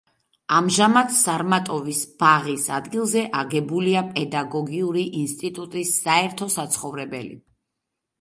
ამჟამად სარმატოვის ბაღის ადგილზე აგებულია პედაგოგიური ინსტიტუტის საერთო საცხოვრებელი.